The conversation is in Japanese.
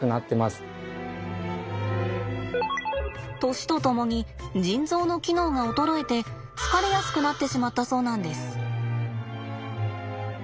年とともに腎臓の機能が衰えて疲れやすくなってしまったそうなんです。